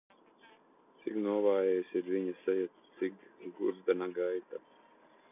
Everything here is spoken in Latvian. Cik novājējusi viņa seja, cik gurdena gaita!